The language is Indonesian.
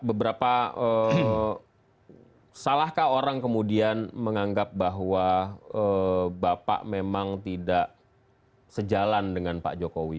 beberapa salahkah orang kemudian menganggap bahwa bapak memang tidak sejalan dengan pak jokowi